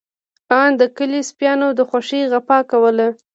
آن د کلي سپيانو د خوښۍ غپا کوله.